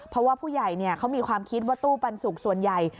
เพราะว่าผู้ใหญ่เขามีความคิดว่าตู้ปันสุกส่วนใหญ่